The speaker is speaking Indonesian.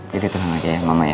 tidak terang aja ya mama ya